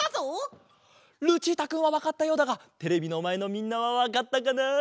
ルチータくんはわかったようだがテレビのまえのみんなはわかったかな？